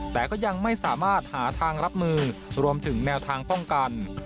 แต่ก็ยังไม่สามารถหาทางรับมือรวมถึงแนวทางป้องกัน